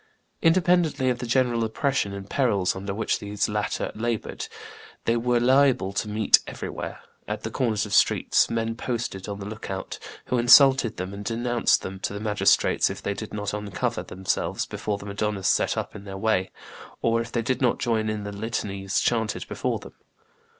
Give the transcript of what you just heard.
Independently of the general oppression and perils under which these latter labored, they were liable to meet everywhere, at the corners of the streets, men posted on the lookout, who insulted them and denounced them to the magistrates if they did not uncover themselves before the madonnas set up in their way, or if they did not join in the litanies chanted before them.